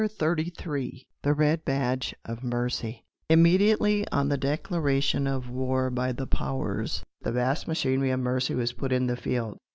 CHAPTER XXXIII THE RED BADGE OF MERCY Immediately on the declaration of war by the Powers the vast machinery of mercy was put in the field.